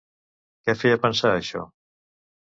Què feia pensar això?